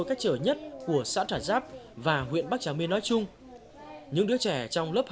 rất nhiều thói quen tập quán không tốt